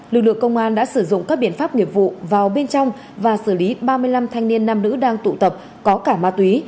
lực lượng công an đã sử dụng các biện pháp nghiệp vụ vào bên trong và xử lý ba mươi năm thanh niên nam nữ đang tụ tập có cả ma túy